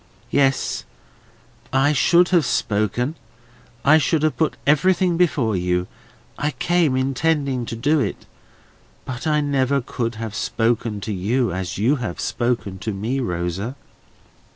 "Yes, I should have spoken; I should have put everything before you; I came intending to do it. But I never could have spoken to you as you have spoken to me, Rosa."